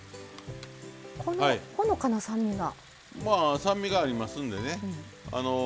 まあ酸味がありますんでね。